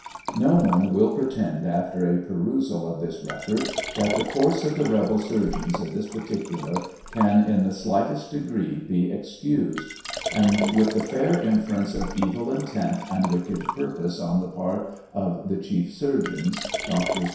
No one will pretend, after a perusal of this record, that the course of the rebel surgeons in this particular can in the slight est degree be excused ; and with the fair inference of evil intent and wicked purpose on the part of the chief surgeons, Drs.